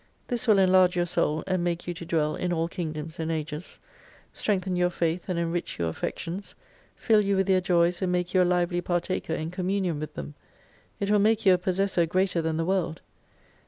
This will enlarge your Soul and make you to dwell in all kingdoms and ages: strengthen your faith and enrich your affections : fill you with their joys and make you a lively partaker in communion with them. It will make you a possessor greater than the world.